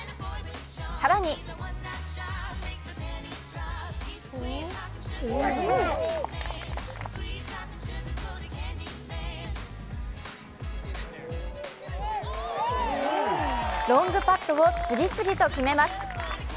更にロングパットを次々と決めます。